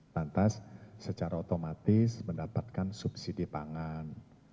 lantas secara otomatis mendapatkan subsidi pangan